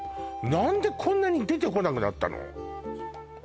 何でこんなに出てこなくなったの？